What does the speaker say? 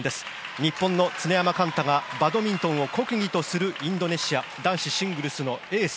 日本の常山幹太がバドミントンを国技とするインドネシア男子シングルスのエース